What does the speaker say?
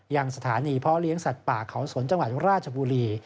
ยังสถานีเพาะเลี้ยงสัตว์ป่าเขาสนจังหวัดราชบุรี